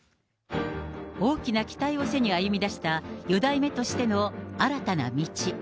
大きな期待を背に歩み出した四代目としての新たな道。